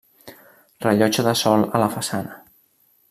Rellotge de sol a la façana.